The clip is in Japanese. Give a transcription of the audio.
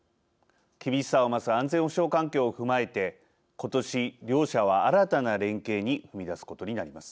厳しさを増す安全保障環境を踏まえて今年、両者は新たな連携に踏み出すことになります。